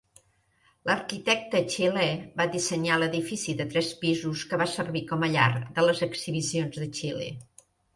L'arquitecte xilè va dissenyar l'edifici de tres pisos que va servir com a llar de les exhibicions de Xile.